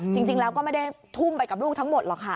จริงแล้วก็ไม่ได้ทุ่มไปกับลูกทั้งหมดหรอกค่ะ